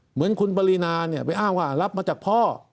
เหมือนคุณปรินาบ่ายย้ายนะรับมาจากพ่อ